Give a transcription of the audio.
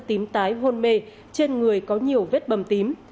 tím tái hôn mê trên người có nhiều vết bầm tím